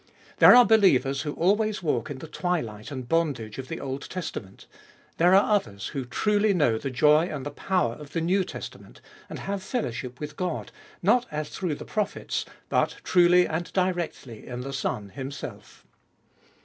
There are believers who always walk in the twilight and bondage of the Old Testament ; there are others, who truly know the joy and the power of the New Testament, and have fellowship with God, not as through the prophets, but truly and directly in the Son Himself.